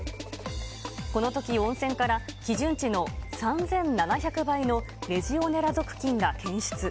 このとき温泉から基準値の３７００倍のレジオネラ属菌が検出。